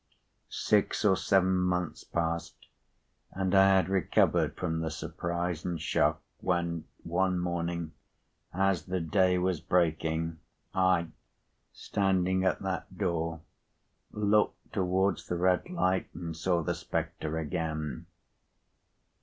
Six or seven months passed, and I had recovered from the surprise and shock, when one morning, as the day was breaking, I, standing at that door, looked towards the red light, and saw the spectre again."